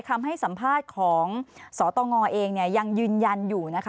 คำให้สัมภาษณ์ของสตงเองยังยืนยันอยู่นะคะ